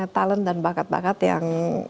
talent dan bakat bakat yang